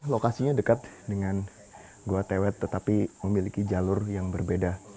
lokasinya dekat dengan gua tewet tetapi memiliki jalur yang berbeda